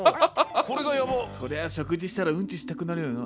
そりゃあ食事したらウンチしたくなるよな。